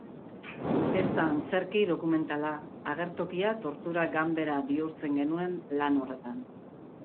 Ez da antzerki dokumentala, agertokia tortura ganbera bihurtzen genuen lan horretan.